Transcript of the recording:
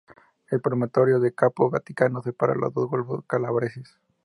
El promontorio de Capo Vaticano separa los dos golfos calabreses.